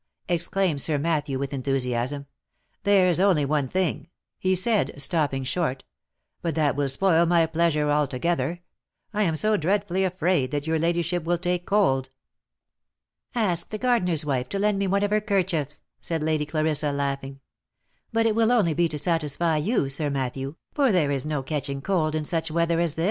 exclaimed Sir Matthew with enthusiasm. " There's only one thing," he said, stopping short, "but that will spoil my pleasure altogether: I am so dreadfully afraid that your ladyship will take cold." " Ask the gardener's wife to lend me one of her kerchiefs," said Lady Clarissa, laughing. " But it will only be to satisfy you, Sir Matthew, for there is no catching cold in such weather as this."